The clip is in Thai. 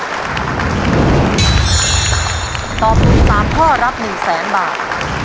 ถ้าตอบถูก๔ข้อรับ๒๐๐๐๐บาท